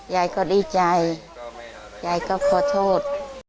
ยายก็ดีใจยายก็ขอโทษ